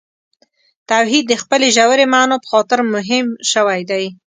توحید د خپلې ژورې معنا په خاطر مهم شوی دی.